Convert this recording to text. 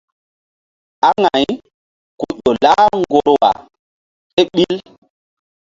Aŋay ku ƴo lah ŋgorwa kéɓil.